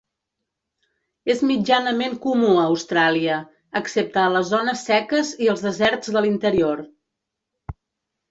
És mitjanament comú a Austràlia, excepte a les zones seques i els deserts de l'interior.